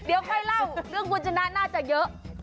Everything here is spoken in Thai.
เดี๋ยวค่อยเล่าเรื่องคุณชนะน่าจะเยอะ